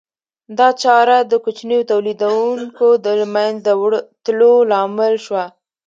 دا چاره د کوچنیو تولیدونکو د له منځه تلو لامل شوه